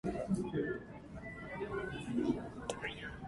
It was the first time the club had owned its own ground.